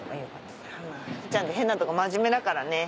福ちゃんって変なとこ真面目だからね。